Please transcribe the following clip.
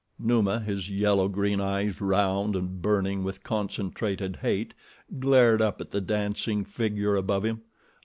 Numa, his yellow green eyes round and burning with concentrated hate, glared up at the dancing figure above him.